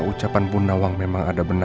karena ucapan bu nawang memang ada benarnya